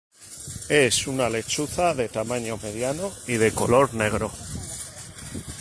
Es una lechuza de tamaño mediano y de color negro.